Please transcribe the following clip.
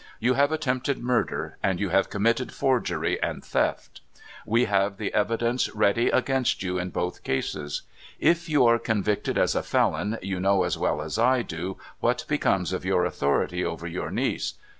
You have attempted murder, and you have committed forgery and theft. We have the evidence ready against you in both cases. If you are convicted as a felon, you know as well as I do what becomes of your authority over your niece.